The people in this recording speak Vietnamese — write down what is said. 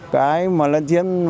cái mà lần trước